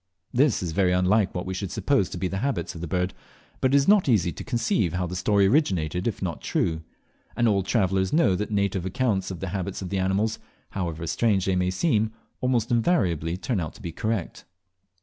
This is very unlike what we should suppose to be the habits of the bird, but it is not easy to conceive how the story originated if it is not true; and all travellers know that native accounts of the habits of animals, however strange they may seem, almost invariably turn out to be correct.